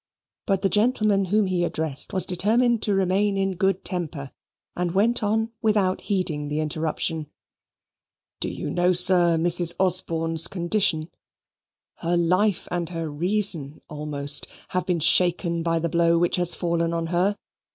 But the gentleman whom he addressed was determined to remain in good temper, and went on without heeding the interruption. "Do you know, sir, Mrs. Osborne's condition? Her life and her reason almost have been shaken by the blow which has fallen on her.